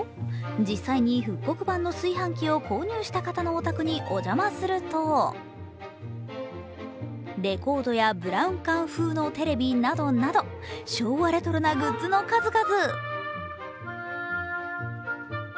実際に復刻版の炊飯器を購入した方のお宅にお邪魔すると、レコードやブラウン管風のテレビなどなど昭和レトロなグッズの数々。